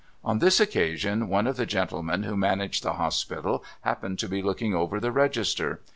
On this occasion, one of the gentlemen who managed the Hospital happened to be looking over the Register.